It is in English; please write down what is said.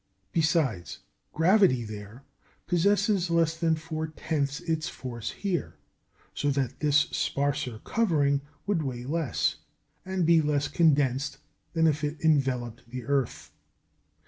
Besides, gravity there possesses less than four tenths its force here, so that this sparser covering would weigh less, and be less condensed, than if it enveloped the earth.